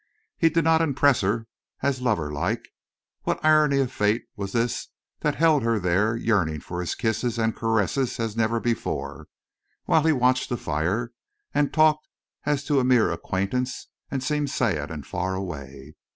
He did not impress her as loverlike. What irony of fate was this that held her there yearning for his kisses and caresses as never before, while he watched the fire, and talked as to a mere acquaintance, and seemed sad and far away?